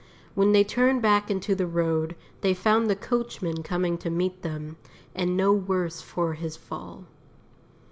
When they turned back into the road they found the coachman coming to meet them, and no worse for his fall.